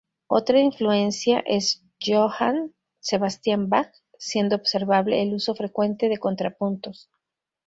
Otra influencia es Johann Sebastian Bach, siendo observable el uso frecuente de contrapuntos.